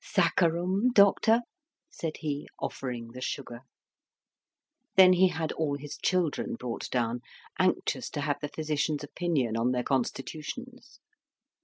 "Saccharum, doctor?" said he, offering the sugar. Then he had all his children brought down, anxious to have the physician's opinion on their constitutions.